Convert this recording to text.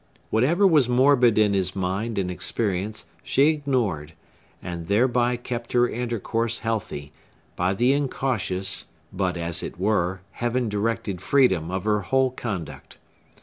Whatever was morbid in his mind and experience she ignored; and thereby kept their intercourse healthy, by the incautious, but, as it were, heaven directed freedom of her whole conduct.